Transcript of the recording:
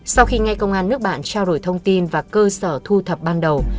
sau khi ngay công an nước bạn trao đổi thông tin và cơ sở thu thập ban đầu